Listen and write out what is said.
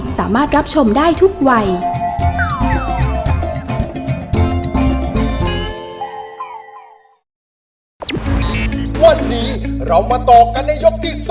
สามารถรับชมได้ทุกวัย